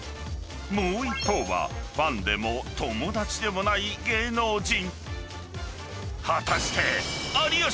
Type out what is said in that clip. ［もう一方はファンでも友達でもない芸能人］